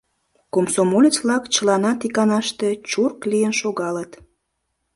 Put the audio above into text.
Комсомолец-влак чыланат иканаште чурк лийын шогалыт.